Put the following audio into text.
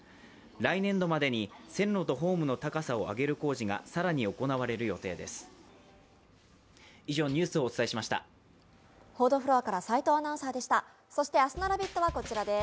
来年度までに、線路とホームの高さを上げる工事が更に行われる予定です。